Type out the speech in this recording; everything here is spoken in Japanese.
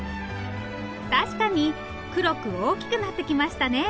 確かに黒く大きくなってきましたね。